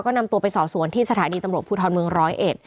ก็นำตัวไปสอบสวนที่สถานีตำรวจภูทรเมืองร้อยเอ็ด